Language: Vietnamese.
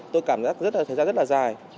tôi cảm giác thời gian rất là dài